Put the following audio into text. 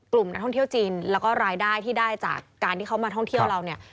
กลุ่มนักท่องเที่ยวจีนแล้วก็รายได้ที่ได้จากการที่เขามาท่องเที่ยวเราเนี่ย